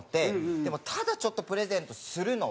でもただちょっとプレゼントするのは。